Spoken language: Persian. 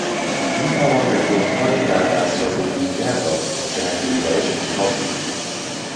می توان رکوردهای در دسترس دیگر را جهت ویرایش انتخاب نمود.